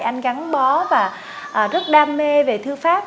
anh gắn bó và rất đam mê về thư pháp